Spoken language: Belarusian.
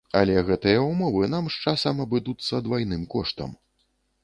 Але гэтыя ўмовы нам з часам абыдуцца двайны коштам.